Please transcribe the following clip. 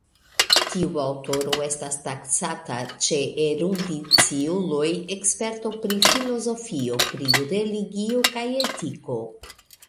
Tiu aŭtoro estas taksata, ĉe erudiciuloj, eksperto pri filozofio, pri religio kaj etiko.